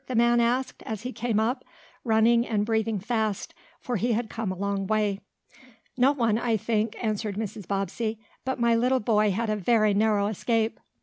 the man asked, as he came up, running and breathing fast, for he had come a long way. "No one, I think," answered Mrs. Bobbsey. "But my little boy had a very narrow escape."